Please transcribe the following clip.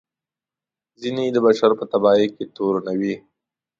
ځینې یې د بشر په تباهي تورنوي.